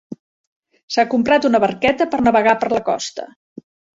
S'ha comprat una barqueta per navegar per la costa.